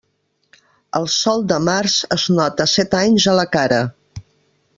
El sol de març es nota set anys a la cara.